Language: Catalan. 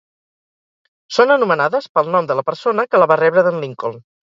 Són anomenades pel nom de la persona que la va rebre d'en Lincoln.